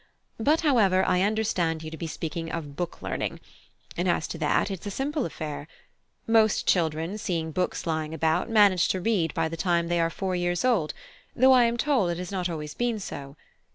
But, however, I understand you to be speaking of book learning; and as to that, it is a simple affair. Most children, seeing books lying about, manage to read by the time they are four years old; though I am told it has not always been so.